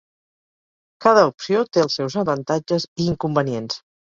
Cada opció té els seus avantatges i inconvenients.